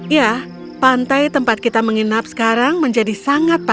ya pantai tempat kita menginap sekarang menjadi sangat penting